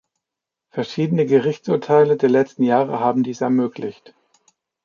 Verschiedene Gerichtsurteile der letzten Jahre haben dies ermöglicht.